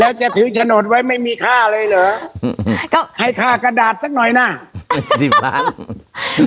แล้วจะถึงโฉนดไว้ไม่มีค่าเลยเหรอก็ให้ค่ากระดาษสักหน่อยน่ะสิบล้าน